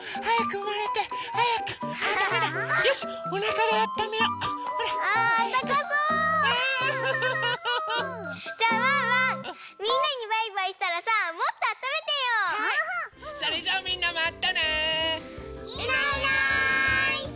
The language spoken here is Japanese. はい。